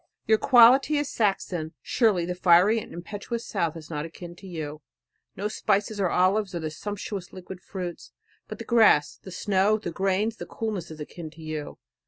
Your quality is Saxon. Surely the fiery and impetuous south is not akin to you. Not spices or olives or the sumptuous liquid fruits, but the grass, the snow, the grains, the coolness is akin to you.